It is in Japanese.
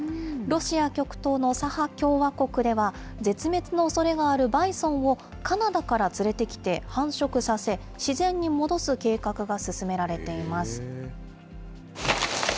ロシア極東のサハ共和国では、絶滅のおそれがあるバイソンを、カナダから連れてきて繁殖させ、自然に戻す計画が進められています。